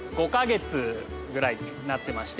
ぐらいになってまして。